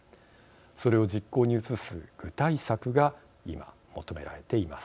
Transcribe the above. それを実行に移す具体策が今、求められています。